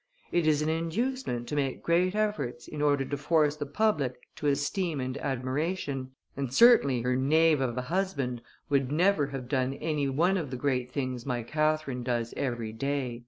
It is an inducement to make great efforts in order to force the public to esteem and admiration, and certainly her knave of a husband would never have done any one of the great things my Catherine does every day."